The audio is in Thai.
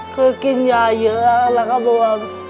คือกินยาเยอะแล้วก็บวม